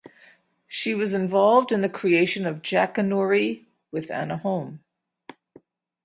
She was involved in the creation of "Jackanory" with Anna Home.